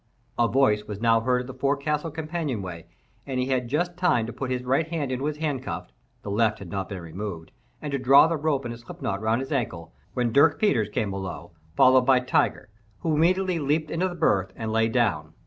A voice was now heard at the forecastle companion way, and he had just time to put his right hand into its handcuff (the left had not been removed) and to draw the rope in a slipknot around his ankle, when Dirk Peters came below, followed by Tiger, who immediately leaped into the berth and lay down.